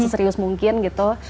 yang serius mungkin gitu